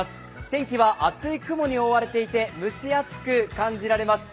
天気は厚い雲に覆われていて蒸し暑く感じられます。